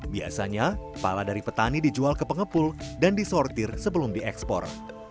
biasanya pala dari petani dijual ke pengepul dan disortir sebelum diekspor